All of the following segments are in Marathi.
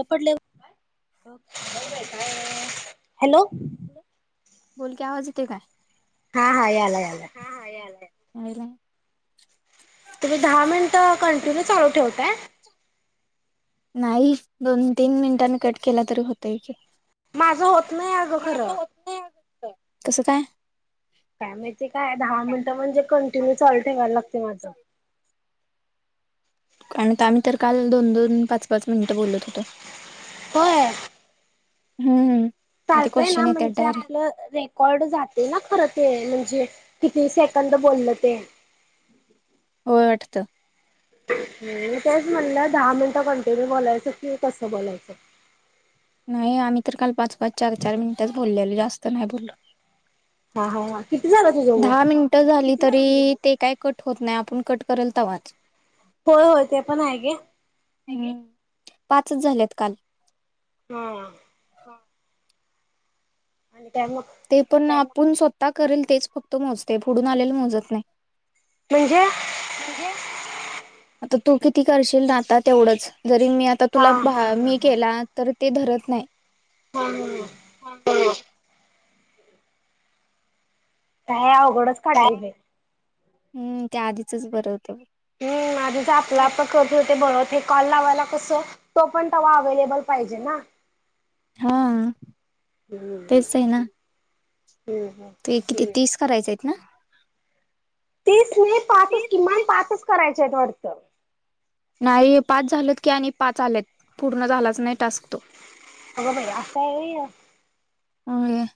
कपडले हॅलो. बोल की आवाज येतोय काय? हां यालाय याला. य नाहीरं. तुम्ही दहा मिनिट कंटिन्यू चालू ठेवताय. नाही दोन तीन मिनिटांनी कट केला तरी होतय की माझं होत नाही अगं खरं. कसं काय? काय माहिती काय दहा मिनिटं म्हणजे कंटिन्यू चालू ठेवायला लागते माझ आणि आम्ही तर काल दोन दोन पाच पाच मिनिटं बोलत होतो. होय. हं हं. चालतय ना म्हणजे आपलं रेकॉर्ड जाते ना खरं ते म्हणजे किती सेकंद बोलल ते. पठत. मी तेच म्हणलं दहा मिनिटं कंटिन्यू बोलायचं कि कसं बोलायचं. नाही आम्ही तर काल पाच पाच चार चार मिनिटच बोललेल जास्त नाही बोललो. हां हां हा किती झालं तु दहा जवळ मिनिटं झाली तरी ते काय कट होत नाही, आपण कट करल तवाच. होय होय ते पण आहे घे. हम्म पाचच झाल्यात काल. हं. हा. आणि काय मग तेपण आप पुण स्वतः करंल तेच फक्त मोजतंय, पुढून आलेलं मोजत नाही. म्हणजे म्हणजे? आता तू किती करशील ना आता तेवढंच. जरी मी आता हा तुला हा भा हा मी हा केला, तर ते धरत न्हाय. [inaudible] हा हा काय अव घडच काढलंय बाई. हम्म त्याआधीचच बरं होतं. हम्म आधीच आपलं आपलं करत होत ते बर. तो कॉल लावायला कसं तोपण तवा अवेलेबल पाहिजे ना. हां. [inaudible] हम्म ते किती तीस करायचं आहेत ना? तीत नाही, पाचच किमान पाचच करायचे आहेत वाटतं. नाही पाच झालेत की आणि पाच आलेत, पूर्ण झालाच नाही टास्क तो. अगं बाई असं हाय व्हय हे? ओय.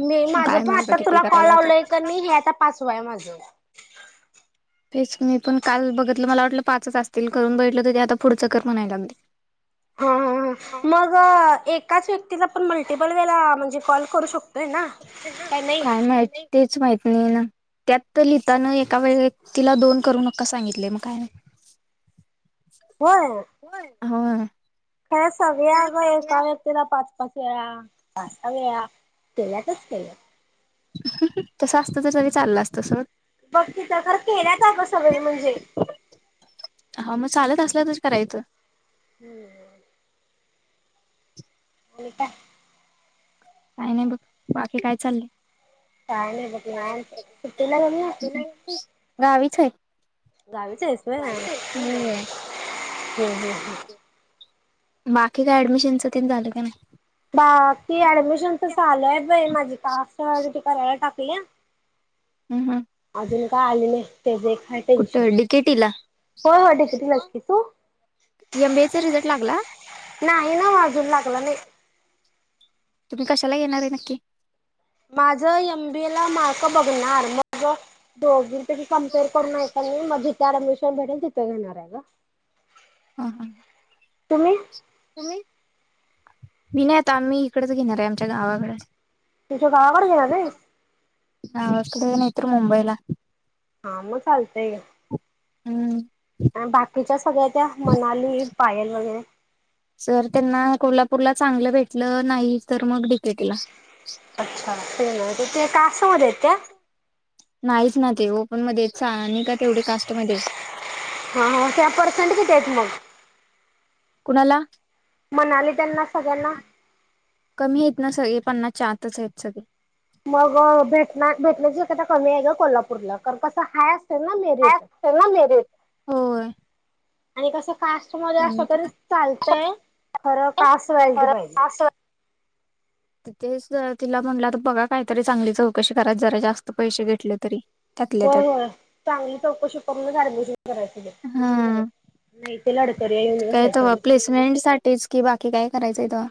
मी माझंपण आता तुला कॉल लावलंय का नाही, हे आता पाचव आहे माझं. तेच मी पण काल बघतलं, मला वाटलं पाचच असतील. करून बघितल, तर ते आता पुढचं कर म्हणाय लागलंय. हा हा हा मग एक काच व्यक्तीला आपण मल्टिपल वेळेला म्हणजे कॉल करू शकतो काय माहित, तेच माहित नाही ना, त्यात तर लिहितांना एका वेळेत तिला दोन करू नका सांगितलंय, मग काय? होय. होय. काय सागूया अग, एका व्यक्तीला पाच पाच [unintelligible] केल्यातच केल्यात. तसं असतं त तरी चाललं असतं सर बघ तिथं खर केल्यात अग सगळी म्हणजे हा मग चालत असल तर करायचं. हम्म. आणि काय? काही नाही बघ, बाकीे काय चाललंय? काय नई बघ निवांत, सुट्टीला गेली नईस? गावीच हाय. गावीच आहेस होय [unintelligible] हम्म हम्म हू. बाकी काय ऍडमिशनचं तेन झालं काय नाय? बाकी ऍडमिशनच चालू आय बई, माझी कास्ट व्हॅलिडीटी कराय टाकल्या. हम्म ह. अजून काय आली नई. कुठ डी के टी ला? होय होय डिग्रीलाच [unintelligible] की तू एम बी ए रिझल्ट लागला. नाही न्हवं, आजुन लागला नई. तुम्ही कशाला घेणार आहे नक्की? माझं एम बी ए ला मार्क बघणार, म ग दोगी पेकी कॅम्पेर करून हाय काय नई, मग जीत [unintelligible] अ‍ॅडमिशन भेटेल तिथ घेणाराय गं. हा हा. तुम्ही? तुम्ही, मी नई आता मी हिकडचं घेणार आय आमच्या गावाकड तुमच्या गावाकडं घेणार [unintelligible] गावाकडं नाही तर मुंबईला हा मग चालतंय य हम्म. आन बाकीच्या स सगळ्या त्या मनाली, पायल वगैरे सर त्यांना कोल्हापूरला चांगलं भेटलं नाही, तर मग डी के टी ला अच्छा! [unintelligible] ते कास्टमध्ये येत्या नाहीच ना ते ओपन मध्येत, सानिका तेवढी कास्टमधे ये हा हा तिला परसेंट किती हायत मग? कुणाला? मनाली त्यांना सगळ्यांना सग पणनाच्या आतच आहेत सग मग भेट भेटण्याची कमी आहे ग कोल्हापूरला तर कस हा हाय असते ना मेरीट होय. आणि कसं? कास्ट मध्ये त्याने असं तरी चालतय खरं कास्ट व्हॅलिडीटी पाहिजे. तिथेच तिला म्हणलं तर बघा काहीतरी चांगली चौकशी कराय जरा जास्त पैसे घेतले तरी त्यातल्या त्यात होय होय चांगली चौकशी करूनच ऍडमिशन करायचं. हा नाही ते लढतरी येऊन काय बसायच्या मग. प्लेसमेंट साठीच कि बाकी काय का. करायचंय त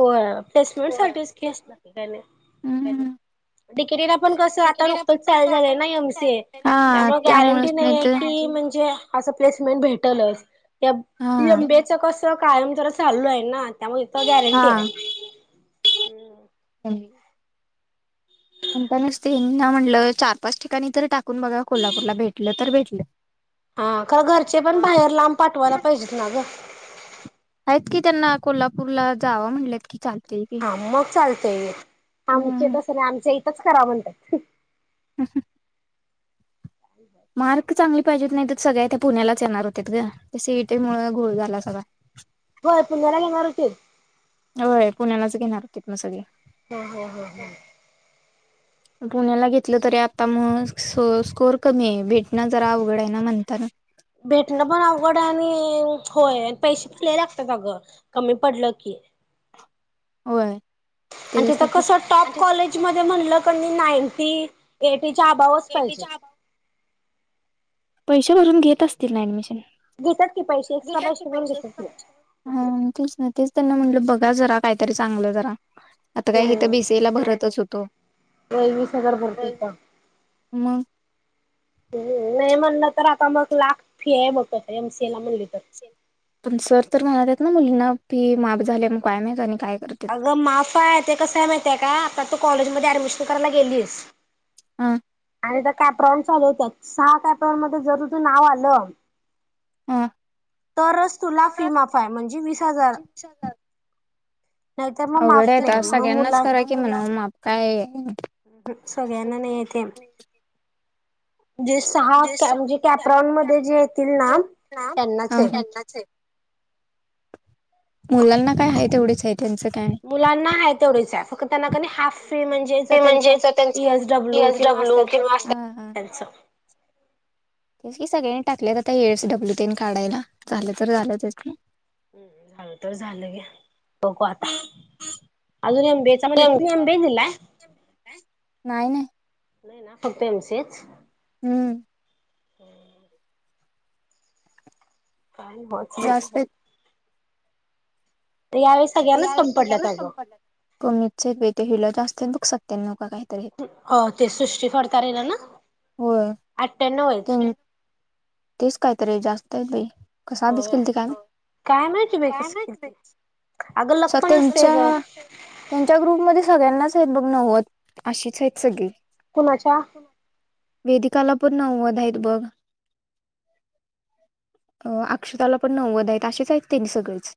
हो प्लेसमेंट सर्टिफिकेटक् का हम्म. तिकेटीला पण कस आता नुकतच चाल झालंय ना एमसी ए हा त्यामुळे गॅरंटी त्यामुळेच नाही आहे तर की म्हणजे असं प्लेसमेंट भेटलच. हा [unintelligible] कायम ज चालू आहे ना त्यामुळे हा. हम्. ह्. म्हणता नसते ना म्हटलं चार पाच ठिकाणी तर टाक ून बघा कोल्हापूरला भेटलं तर भेटलं. हा खर घरचे पण बाहेर लांब पाठवायला पाहिजेत ना ग. आहेत की त्यांना कोल्हापूरला जावं म्हणलेत की चाल हा म चालत तय आमच्या हम्म. इथा आस नाही आमच्या च करा म्हणत्यात [unintelligible] मार्क चांगली पाहिजेत नाही त सगळया त्या पुण्यालाच येणार होतीत ग ते सी. इ. टी मुळ घोळ झाला सगळा होय पुण्याला घेणार होतीत? येणार होतीत न सगळी हा, हा, हा, हा. पुण्याला घेतलं तरी आता मग स्कोर कमी आहे भेटणं जरा अवघड आहे ना म्हणताना भेटण पण आवघड आणि होय आणि पैसे पण लई लागतात अगं कमी पडलं की होय आणि तिथ कस त्याच्यासाठीच टॉप कॉलेज मध्ये म्हणलं त्यांनी नायटी येट तेच्या अबावच पाहिजे पैसे भरून घेत असतील ना ऍडमिशन घेत्यात हा तेच ना तेच त्यांना म्हटलं बघा जरा काय तरी चांगलं जरा आता काय हीत बी. हम्म सी. ए. ला भरतच होतो. वीस हजार भरते मगं [unintelligible] नाई म्हणलं तर आता मग लाख फी आहे बघ आता एम. सी. ए ला म्हणली तर. पण सर तर म्हणनालेत ना मुलींना फी माप झाली मग काय माहिती आणि काय करतेत अगं माफ आहे. ते कस आहे. माहिती ये काय? त तू कॉलेजमध्ये ऍडमिशन करायला गेलीस हा आणि त्या कॅप्रोन चालू होत्यात सहा कॅप्रोन मध्ये जर तु नाव आलं हा तरच तुला फी माफ आहे म्हणजे वीस हजार नाहीतर मग अवघड माफ आहे आता नाही मग सगळ्यांनाच मुला करा की म्हणावं माफ काय सगळ्यांना नाही येते. जे सहा म्हणजे कॅपरॉन मध्ये जे येतील ना त्यांनाच ये. मुलांना काय हाय तेवढे मुलांना हाय तेवढच हाय. फक्त त्यांना कणय हाफ फी म्हणजे ज त्यांच इ एस डब्ल्यू एस किंवा डब्ल्यू असतात ब किंवा ते हा हा त्यांच तेच की सगळ्यांनी टाकलेत आता ए एस डब्ल्यू तेन काढायला झालं तर झालंच त्यात ना हम् झालं तर झालं गे बघु आत अजून एम डी ए चा तुम्ही एम डी ए केलाय? नाही नाही नाही ना फक्त एम सी ए च. हुं हुं जास्त [unintelligible] बाई यावेळी सगळ्यांनाच यावेळी कमी सगळ्या ना पडल्यात च कमी अगं पडलेत कमी च आहेत‌‌ बई त्या हिला जास् तेन बग सत्यानव हो ते सृष्टी फडतारे ना होय आठ्यानव येत ते तेच कायतरी जास्त आहेत बाई. कसा अभ्यास केलता काय माहित, काय माहिती बाई काय कसं माहित केलती अगं लक बाई पण असतंय ग तेनच्या ग्रुप मध्ये सगळ्यांनाच आहेत मग‌ नव्वद - अशीच आहेत सगळी. कुणाच्या? वेदिकाला पण नव्वद आहेत बघ. अ अक्षताला पण नव्वद आहेत असेच आहेत त्यांनी सगळेच.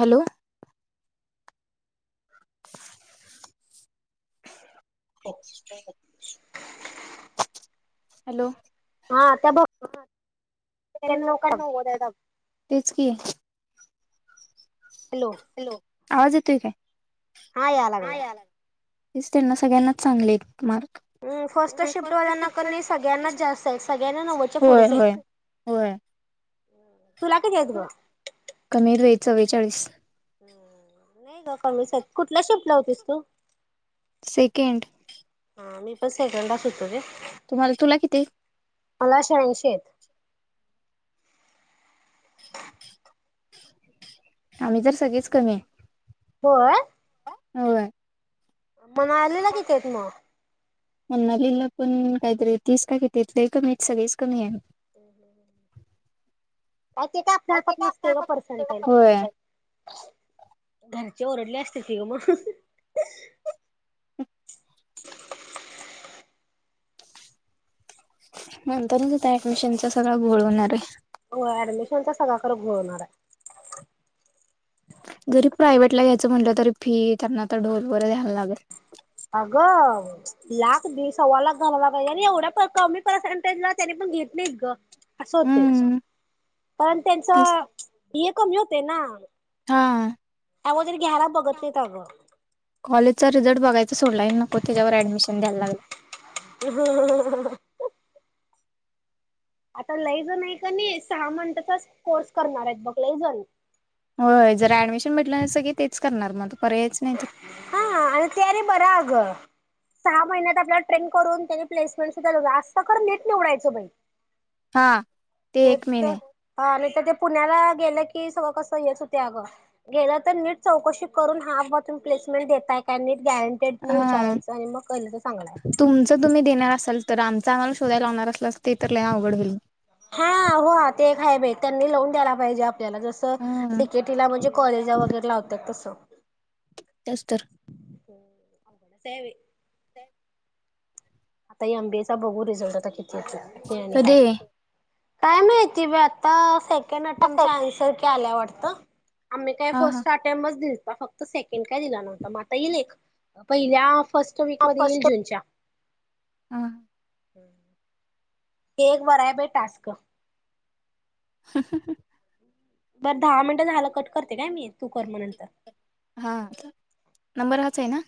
हॅलो हॅलो हा आता बग ते लोकांना नव्वद आहेत अगं. तेच की हॅलो आवाज येतोय काय? आ यालागलाय हेच त्यांना सगळ्यांनाच चांगले आहेत मार्क. हम्म, फर्स्ट शिफ्टवाल्याना कनी नाही सगळ्यांनाच जास्त आहे सगळ्यांना नव्वदच्या होय पुढेच आहेत. होय होय तूला किती येत ग? कमी आहेत बाई चव्वेचाळीस नाही ग कमीच येत कुठल्या शिफ्टला होतीस तू? सेकंड मी पण सेकंडाच होतो. तुम्हाला तुला किती? मला शहाऐंशी आहेत. आम्ही तर सगळीच कमी आहे. होय. होय. म, मालिला कितेत म? मण्नालीला पण काहीतरी तीस काय कितीत, लय कमीत सगळीच कमी येत [inaudible] काय ते आपल्या हातात नसतंय पर्सेंटाइल होय - ओरडल्या असतील की गं म हाह हाह म्हणतानाच होता ऍडमिशनचा सगळा घोळ होणार आहे. हो ऍडमिशनचा सगळा खरं घोळ होणारय जरी प्रायवेटला घ्यायचं म्हटलं तरी फी त्यांना तर ढोल वगैरे द्यायला लागेल. अगं लाख दि सव्वा लाख पाहिजे आणि एवढ्या प कमी पर्सेंटेजला त्यानी पण घेत नाही गं असं होतेय, हम्म पण त्यांच तेच हे कमी होते ना? हा अगोदर घ्यायला बघत नाहीत अगं. कॉलेजचा रिझल्ट बघायच. सोडलायही नको त्याच्यावर ॲडमिशन द्यायला लागला. हम. आता लैजण आहे कनी सहा मंंथचाच कोर्स करणार आहेत बघ लैजण होय जरा ऍडमिशन भेटलं सगळी तेच करणार मग पर्यायच नाही तर हा आणि ते आणि बरा अगं. सहा महिन्यात आपल्याला ट्रेन करून त्यांनी प्लेसमेंट सुद्धा असतं खरं नीट निवडायचं बाई हा ते नेट एक तर महिने हा नाही तर ते पुण्याला गेलं की सगळं कसं हेच होत अगं गेलं तर नीट चौकशी करून हा ब प्लेसमेंट देताय काय नीट गॅरंटेड न हा विचारायचं आणि मग केलं तर चांगलं आहे. तुमचं तुम्ही देणार असाल तर आमचं आम्हाला लावणार असलास ते तर लय अवघड होईल. हा हो ते एक हाय बाई त्यांनी लावून द्यायला पाहिजे. त्याला जसं हा डिकेटीला म्हणजे कॉलेजला वगैरे लावतात तसं. [unintelligible] तेच तर हो अवघडच हाय बाई. आता एमबीएचा बघू रिझल्ट आता कि ते आणिकाय. कधी काय माहिती बाई आता से आटेमचा आन्सर आल्या वाटतं. आम्ही काही हा हा फर्स्ट अटेमच दिल. फक्त सेकंड काय दिला नव्हता म आता येईल पहिल्या फर्स्ट वीकमध्ये येईल जूनच्या हा. [inaudible] एक बराय बाई टास्क. ह [inaudible] बरं दहा मिनटं झालं कट करते काय मी तू कर मग नंतर. हा नंबर हाच आहे ना?